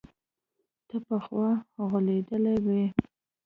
ته پخوا غولېدلى وي.